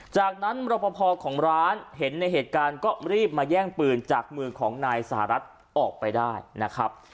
จากนั้นรปภของร้านเห็นในเหตุการณ์ก็รีบมาแย่งปืนจากมือของนายสหรัฐออกไปได้นะครับ